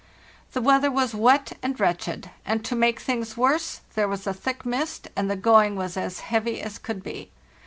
"The weather was wet and wretched, and, to make things worse, there was a thick mist, and the going was as heavy as could be.